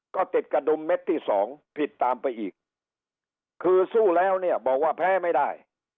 ก็ติดกระดุมเม็ดที่สองผิดตามไปอีกคือสู้แล้วเนี่ยบอกว่าแพ้ไม่ได้